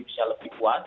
bisa lebih kuat